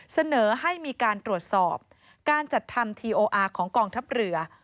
เสนอให้มีการตรวจสอบการจัดทำทีโออาร์ของกองทัพเรือ